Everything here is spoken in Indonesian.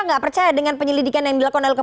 nggak percaya dengan penyelidikan yang dilakukan lkp